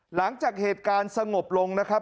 หลังจากเหตุการณ์สงบลงนะครับ